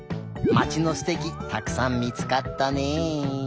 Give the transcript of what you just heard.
まちのすてきたくさん見つかったね。